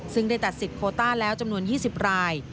ซึ่งได้ตัดสิทธิโคต้าแล้วจำนวน๒๐ราย